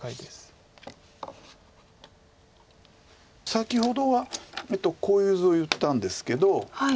先ほどはこういう図を言ったんですけど。